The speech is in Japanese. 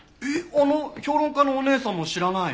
あの評論家のお姉さんも知らないの？